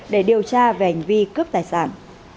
để điều tra về hành vi cướp tài sản